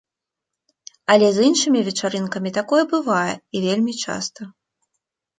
Але з іншымі вечарынкамі такое бывае, і вельмі часта.